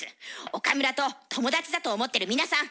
岡村と友達だと思ってる皆さん